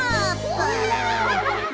うわ！